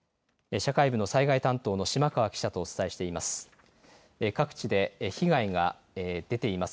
社会部の災害担当の島川記者とお伝えしています。